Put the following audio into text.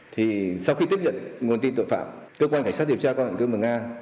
thì sau khi tiếp nhận nguồn tin tội phạm cơ quan khảnh sát điều tra cơ quan cư mừng an